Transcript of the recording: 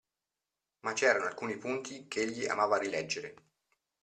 Ma c'erano alcuni punti ch'egli amava rileggere.